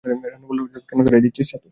রানু বলিল, কেন তাড়িয়ে দিচ্ছিস সাতু?